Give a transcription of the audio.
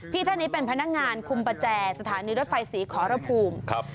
พี่เธอนี้เป็นพนักงานคุมปเจสถานีรถไฟศรีขอระภูมิ